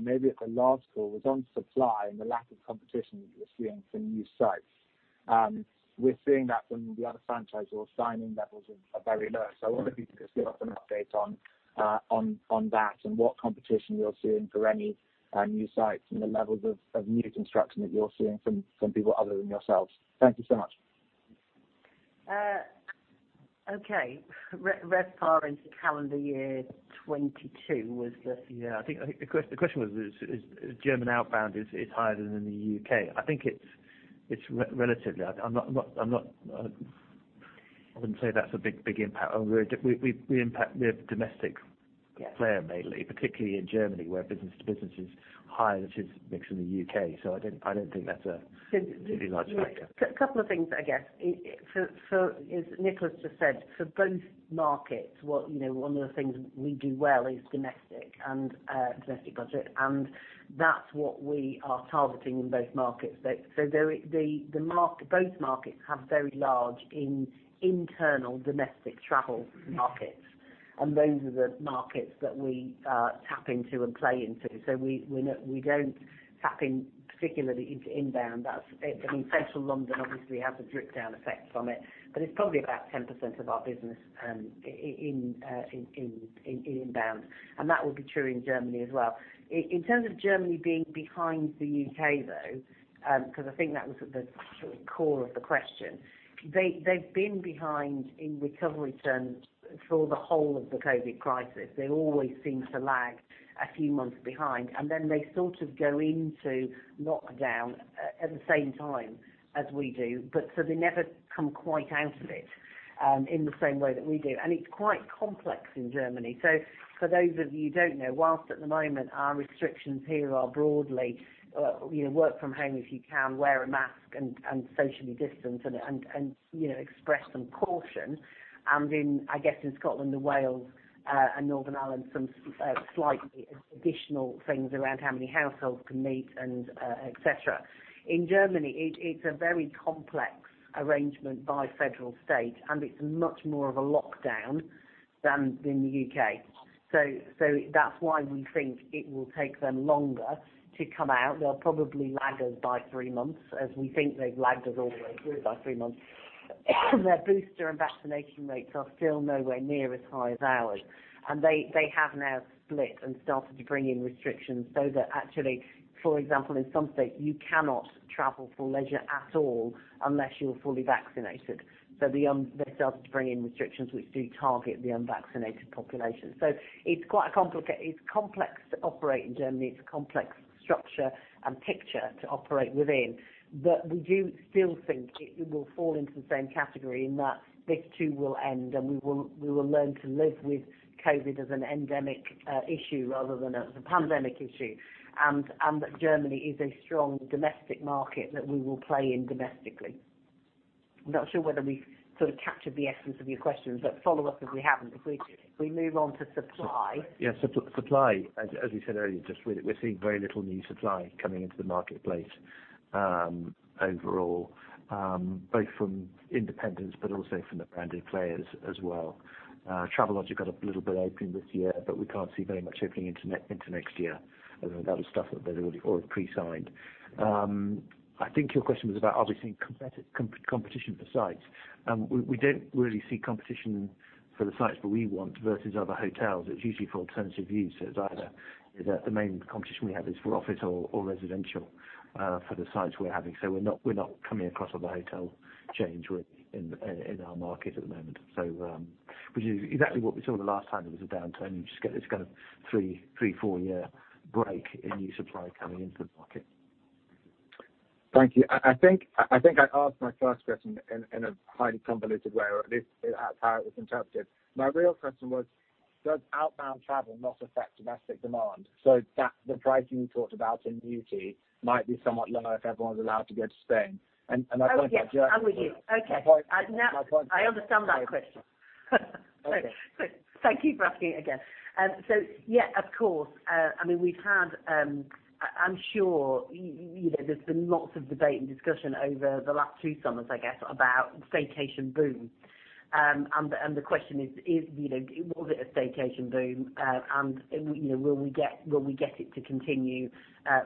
maybe at the last call, was on supply and the lack of competition that you're seeing for new sites. We're seeing that from the other franchisors signing levels are very low. I wonder if you could just give us an update on that and what competition you're seeing for any new sites and the levels of new construction that you're seeing from people other than yourselves. Thank you so much. RevPAR into calendar year 2022 was the- Yeah, I think the question was, is German outbound higher than in the U.K. I think it's relatively. I wouldn't say that's a big impact. We're a domestic player mainly, particularly in Germany, where business to business is higher than it is in the U.K. I don't think that's a really large factor. A couple of things, I guess. As Nicholas just said, for both markets, you know, one of the things we do well is domestic budget, and that's what we are targeting in both markets. Both markets have very large internal domestic travel markets. Those are the markets that we tap into and play into. We don't tap into particularly inbound. I mean, Central London obviously has a trickle-down effect from it, but it's probably about 10% of our business, in inbound. That will be true in Germany as well. In terms of Germany being behind the U.K., though, because I think that was at the sort of core of the question, they've been behind in recovery terms for the whole of the COVID crisis. They always seem to lag a few months behind, and then they sort of go into lockdown at the same time as we do, but so they never come quite out of it, in the same way that we do. It's quite complex in Germany. For those of you don't know, whilst at the moment our restrictions here are broadly, you know, work from home if you can, wear a mask, and you know, express some caution. I guess in Scotland and Wales and Northern Ireland, some slightly additional things around how many households can meet and et cetera. In Germany, it's a very complex arrangement by federal state, and it's much more of a lockdown than in the U.K. That's why we think it will take them longer to come out. They'll probably lag us by three months, as we think they've lagged us all the way through by three months. Their booster and vaccination rates are still nowhere near as high as ours. They have now split and started to bring in restrictions so that actually, for example, in some states, you cannot travel for leisure at all unless you're fully vaccinated. They've started to bring in restrictions which do target the unvaccinated population. It's complex to operate in Germany. It's a complex structure and picture to operate within. We do still think it will fall into the same category in that this too will end, and we will learn to live with COVID as an endemic issue rather than as a pandemic issue, and that Germany is a strong domestic market that we will play in domestically. I'm not sure whether we sort of captured the essence of your question, but follow up if we haven't. If we move on to supply Yes. Supply, as you said earlier, just we're seeing very little new supply coming into the marketplace, overall, both from independents but also from the branded players as well. Travelodge have got a little bit opening this year, but we can't see very much opening into next year other than that stuff that they've already pre-signed. I think your question was about, obviously, competition for sites. We don't really see competition for the sites that we want versus other hotels. It's usually for alternative use. It's either, you know, the main competition we have is for office or residential, for the sites we're having. We're not coming across other hotel chains really in our market at the moment. which is exactly what we saw the last time there was a downturn. You just get this kind of three to four year break in new supply coming into the market. Thank you. I think I asked my first question in a highly convoluted way, or at least that's how it was interpreted. My real question was, does outbound travel not affect domestic demand? That the pricing you talked about in beauty might be somewhat lower if everyone's allowed to go to Spain. My point about Germany- Oh, yes. I'm with you. Okay. My point- I now- My point. I understand that question. Okay. Thank you for asking it again. Yeah, of course. I mean, we've had, I'm sure you know, there's been lots of debate and discussion over the last two summers, I guess, about staycation boom. The question is, you know, was it a staycation boom? You know, will we get it to continue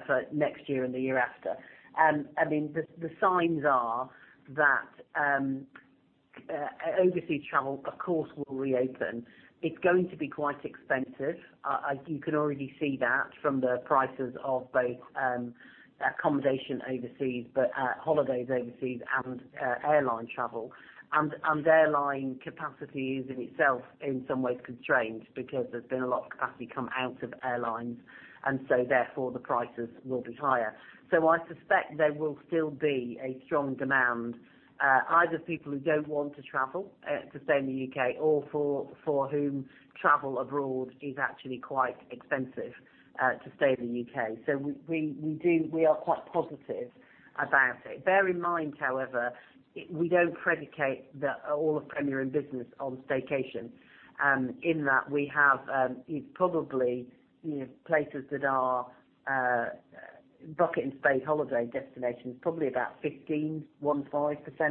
for next year and the year after? I mean, the signs are that overseas travel, of course, will reopen. It's going to be quite expensive. You can already see that from the prices of both accommodation overseas, but holidays overseas and airline travel. Airline capacity is in itself in some ways constrained because there's been a lot of capacity come out of airlines. Therefore, the prices will be higher. I suspect there will still be a strong demand, either people who don't want to travel to stay in the U.K. or for whom travel abroad is actually quite expensive to stay in the U.K. We are quite positive about it. Bear in mind, however, we don't predicate all of Premier Inn business on staycation, in that we have probably, you know, places that are bucket and spade holiday destinations, probably about 15%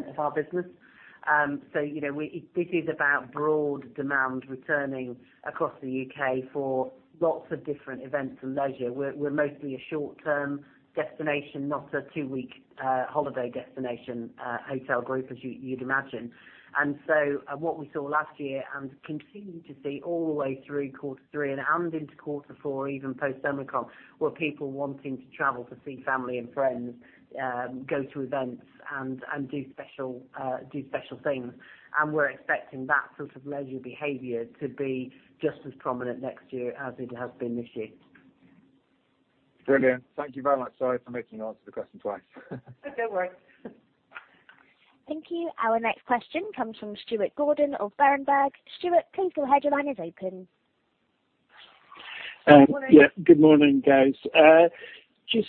of our business. You know, it is about broad demand returning across the U.K. for lots of different events and leisure. We're mostly a short-term destination, not a two-week holiday destination hotel group as you'd imagine. What we saw last year and continue to see all the way through quarter three and into quarter four, even post-Omicron, were people wanting to travel to see family and friends, go to events and do special things. We're expecting that sort of leisure behavior to be just as prominent next year as it has been this year. Brilliant. Thank you very much. Sorry for making you answer the question twice. No worries. Thank you. Our next question comes from Stuart Gordon of Berenberg. Stuart, please, your line is open. Yeah. Good morning. Good morning, guys. Just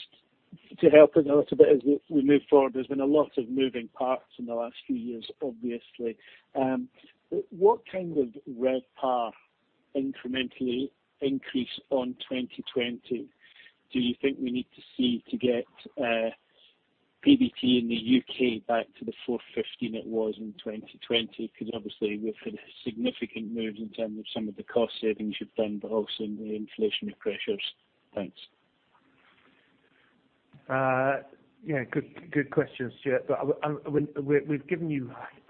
to help a little bit as we move forward, there's been a lot of moving parts in the last few years, obviously. What kind of RevPAR incrementally increase on 2020 do you think we need to see to get PBT in the U.K. back to the 415 it was in 2020? 'Cause obviously we've had a significant move in terms of some of the cost savings you've done, but also in the inflationary pressures. Thanks. Yeah, good questions, Stuart. I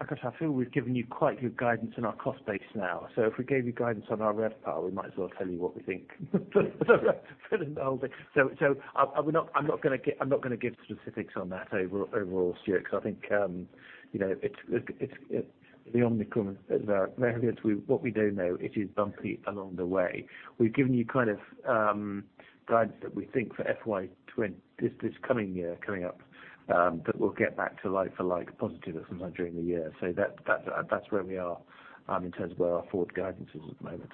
guess I feel we've given you quite good guidance in our cost base now. If we gave you guidance on our RevPAR, we might as well tell you what we think for the whole thing. I'm not gonna give specifics on that overall, Stuart, because I think you know, it's the Omicron variant. What we do know is it is bumpy along the way. We've given you kind of guidance that we think for this coming year, coming up, that we'll get back to like-for-like positive sometime during the year. That that's where we are in terms of where our forward guidance is at the moment.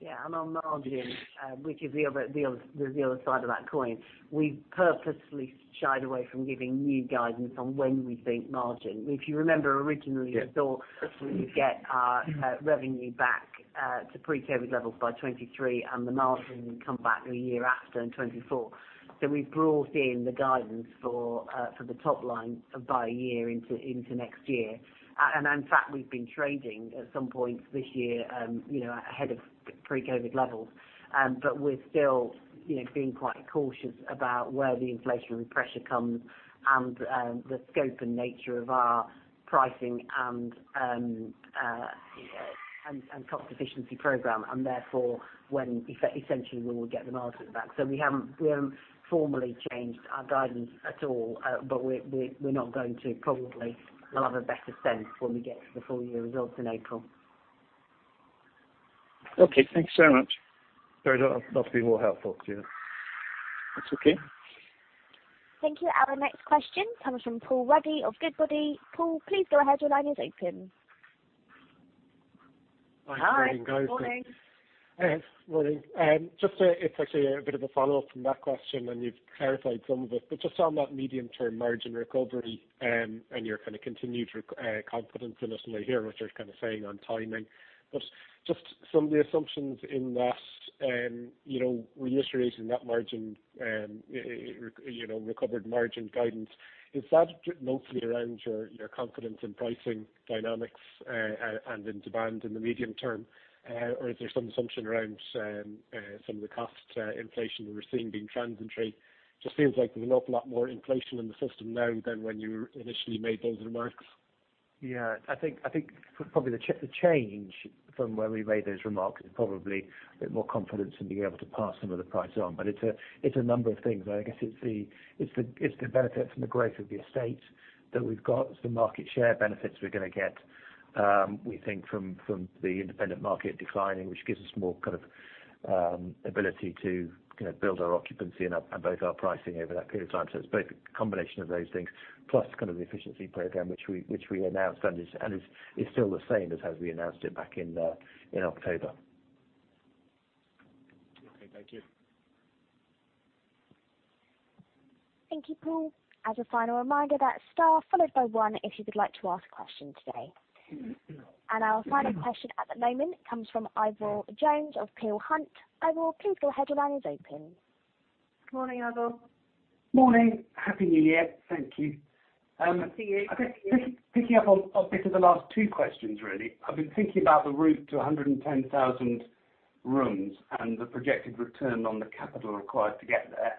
Yeah, on margins, which is the other side of that coin, we've purposefully shied away from giving new guidance on when we think margin. If you remember originally- Yeah. We thought we would get our revenue back to pre-COVID levels by 2023, and the margin would come back the year after in 2024. We've brought in the guidance for the top line by a year into next year. In fact, we've been trading at some point this year, you know, ahead of pre-COVID levels. We're still, you know, being quite cautious about where the inflationary pressure comes and the scope and nature of our pricing and cost efficiency program, and therefore when essentially we'll get the margin back. We haven't formally changed our guidance at all, but we're probably not going to. We'll have a better sense when we get to the full year results in April. Okay, thanks so much. Very well, love to be more helpful to you. That's okay. Thank you. Our next question comes from Paul Ruddy of Goodbody. Paul, please go ahead. Your line is open. Hi. Hi. Morning. Yes. Morning. It's actually a bit of a follow-up from that question, and you've clarified some of it. Just on that medium-term margin recovery, and your kind of continued confidence. Obviously here, what you're kind of saying on timing. Just some of the assumptions in that, you know, reiterating that margin, you know, recovered margin guidance. Is that mostly around your confidence in pricing dynamics and in demand in the medium term? Or is there some assumption around some of the cost inflation we're seeing being transitory? It just seems like there's an awful lot more inflation in the system now than when you initially made those remarks. Yeah. I think probably the change from where we made those remarks is probably a bit more confidence in being able to pass some of the price on. It's a number of things. I guess it's the benefit from the growth of the estate that we've got, the market share benefits we're gonna get, we think from the independent market declining, which gives us more kind of ability to, you know, build our occupancy and both our pricing over that period of time. It's both a combination of those things, plus the efficiency program which we announced and is still the same as we announced it back in October. Okay, thank you. Thank you, Paul. As a final reminder, that's star followed by one if you would like to ask a question today. Our final question at the moment comes from Ivor Jones of Peel Hunt. Ivor, please go ahead. Your line is open. Morning, Ivo. Morning. Happy New Year. Thank you. Happy New Year to you. I guess picking up on a bit of the last two questions really. I've been thinking about the route to 110,000 rooms and the projected return on the capital required to get there.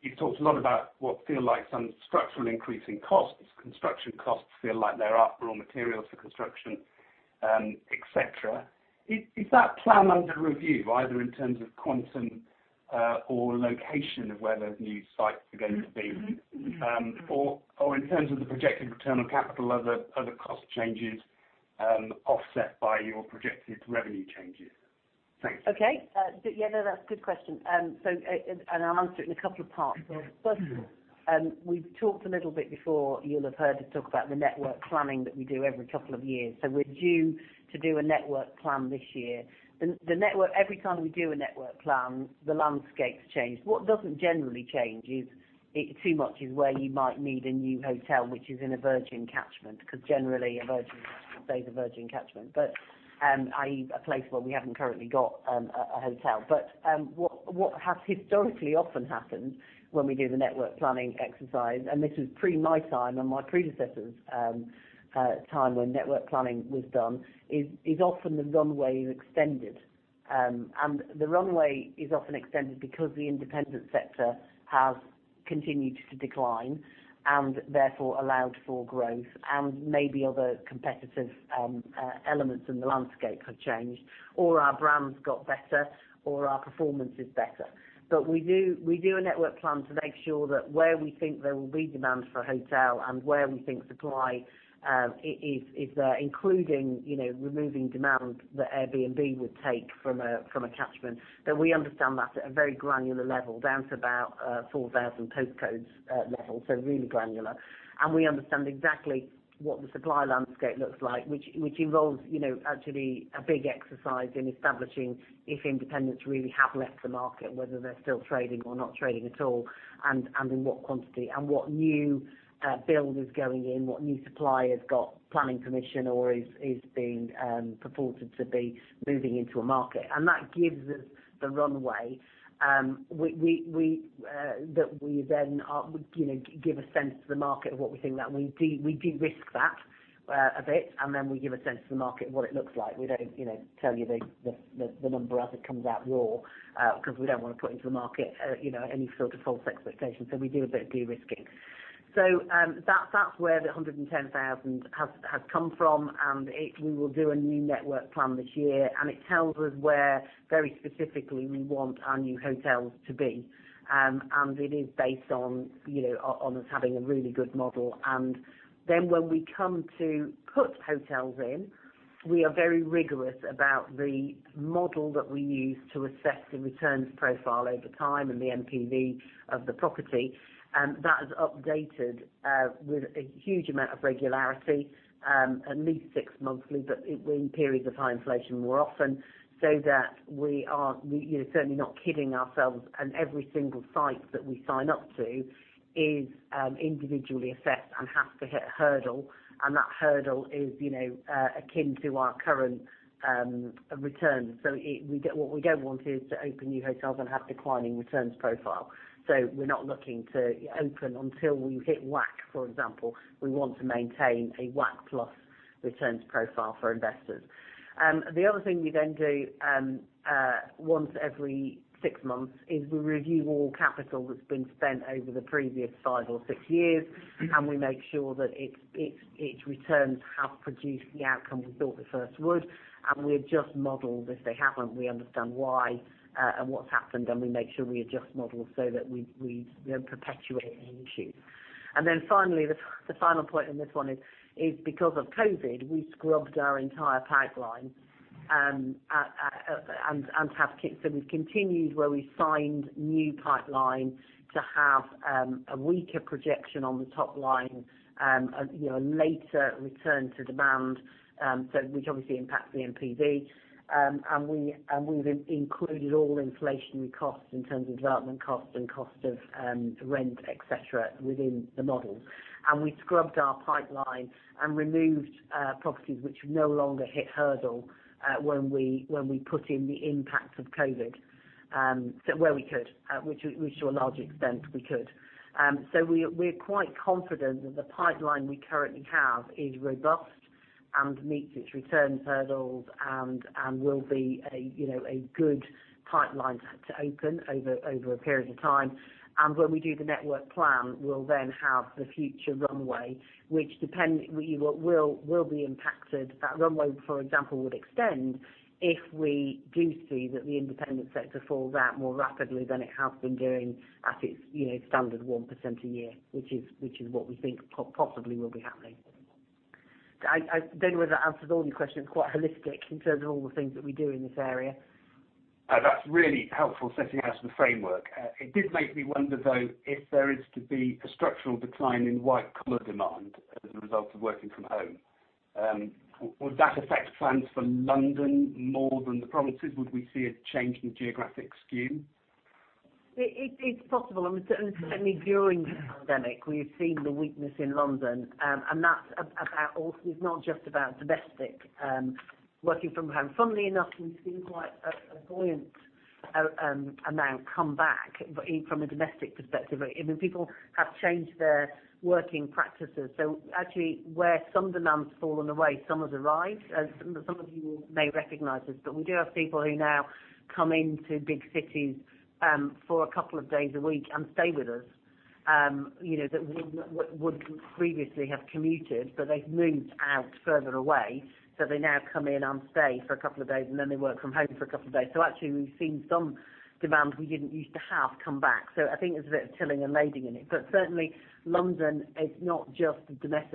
You've talked a lot about what feel like some structural increase in costs. Construction costs feel like they're up, raw materials for construction, et cetera. Is that plan under review, either in terms of quantum or location of where those new sites are going to be? Or in terms of the projected return on capital, are the cost changes offset by your projected revenue changes? Thanks. Okay. Yeah, no, that's a good question. And I'll answer it in a couple of parts. First, we've talked a little bit before. You'll have heard us talk about the network planning that we do every couple of years. We're due to do a network plan this year. The network, every time we do a network plan, the landscape's changed. What doesn't generally change is where you might need a new hotel, which is in a virgin catchment, because generally a virgin stays a virgin catchment. i.e., a place where we haven't currently got a hotel. What has historically often happened when we do the network planning exercise, and this is pre my time and my predecessor's time when network planning was done, is often the runway is extended. The runway is often extended because the independent sector has continued to decline, and therefore allowed for growth, and maybe other competitive elements in the landscape have changed, or our brands got better, or our performance is better. We do a network plan to make sure that where we think there will be demand for a hotel and where we think supply is there, including, you know, removing demand that Airbnb would take from a catchment, that we understand that at a very granular level, down to about 4,000 postcodes level, so really granular. We understand exactly what the supply landscape looks like, which involves, you know, actually a big exercise in establishing if independents really have left the market, whether they're still trading or not trading at all, and in what quantity, and what new build is going in, what new supply has got planning permission or is being purported to be moving into a market. That gives us the runway that we then, you know, give a sense to the market of what we think that. We de-risk that a bit, and then we give a sense to the market what it looks like. We don't tell you the number as it comes out raw, 'cause we don't wanna put into the market you know any sort of false expectations, so we do a bit of de-risking. That's where the 110,000 has come from, and we will do a new network plan this year, and it tells us where very specifically we want our new hotels to be. It is based on you know on us having a really good model. Then when we come to put hotels in, we are very rigorous about the model that we use to assess the returns profile over time and the NPV of the property. That is updated with a huge amount of regularity, at least six monthly, but we in periods of high inflation more often, so that we are, you know, certainly not kidding ourselves. Every single site that we sign up to is individually assessed and has to hit hurdle, and that hurdle is, you know, akin to our current returns. What we don't want is to open new hotels and have declining returns profile. We're not looking to open until we hit WACC, for example. We want to maintain a WACC plus returns profile for investors. The other thing we then do, once every six months is we review all capital that's been spent over the previous five or six years, and we make sure that its returns have produced the outcome we thought they first would, and we adjust models. If they haven't, we understand why, and what's happened, and we make sure we adjust models so that we, you know, perpetuate any issues. Finally, the final point on this one is, because of COVID, we scrubbed our entire pipeline, and so we've continued where we signed new pipeline to have, a weaker projection on the top line, a, you know, later return to demand, so which obviously impacts the NPV. We've included all inflationary costs in terms of development costs and cost of rent, et cetera, within the model. We scrubbed our pipeline and removed properties which no longer hit hurdle when we put in the impact of COVID, so where we could, which to a large extent we could. We're quite confident that the pipeline we currently have is robust and meets its returns hurdles and will be a you know a good pipeline to open over a period of time. When we do the network plan, we'll then have the future runway, which depend... What will be impacted, that runway, for example, would extend if we do see that the independent sector falls out more rapidly than it has been doing at its, you know, standard 1% a year, which is what we think possibly will be happening. I don't know whether that answers all your questions, quite holistic in terms of all the things that we do in this area. That's really helpful setting out the framework. It did make me wonder, though, if there is to be a structural decline in white-collar demand as a result of working from home, would that affect plans for London more than the provinces? Would we see a change in geographic skew? It's possible. I mean, certainly during the pandemic, we've seen the weakness in London, and that's about. Also, it's not just about domestic working from home. Funnily enough, we've seen quite a buoyant amount come back from a domestic perspective. I mean, people have changed their working practices. So actually, where some demand's fallen away, some has arrived. Some of you may recognize this, but we do have people who now come into big cities for a couple of days a week and stay with us, you know, that would previously have commuted, but they've moved out further away. So they now come in and stay for a couple of days, and then they work from home for a couple of days. So actually, we've seen some demand we didn't use to have come back. I think there's a bit of trailing and leading in it. Certainly London is not just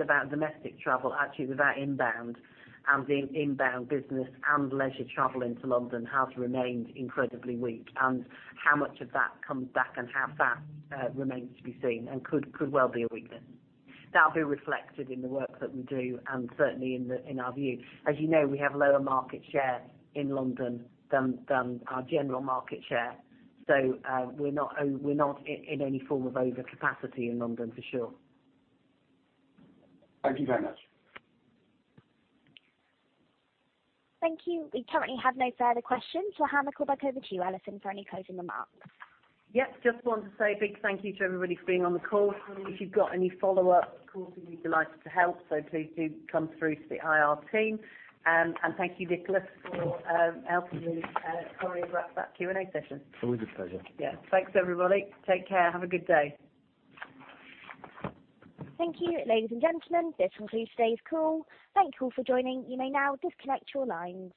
about domestic travel. Actually, without inbound, the inbound business and leisure travel into London has remained incredibly weak. How much of that comes back and how that remains to be seen and could well be a weakness. That'll be reflected in the work that we do and certainly in our view. As you know, we have lower market share in London than our general market share. We're not in any form of overcapacity in London for sure. Thank you very much. Thank you. We currently have no further questions. I'll hand the call back over to you, Alison, for any closing remarks. Yep. Just want to say a big thank you to everybody for being on the call. If you've got any follow-up calls, we'd be delighted to help, so please do come through to the IR team. Thank you, Nicholas, for helping me choreograph that Q&A session. Always a pleasure. Yeah. Thanks, everybody. Take care. Have a good day. Thank you, ladies and gentlemen. This concludes today's call. Thank you all for joining. You may now disconnect your lines.